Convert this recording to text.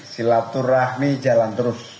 silaturahmi jalan terus